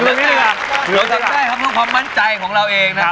หยุดตรงนี้ดีกว่าหยุดตรงนี้ได้ครับต้องความมั่นใจของเราเองนะครับ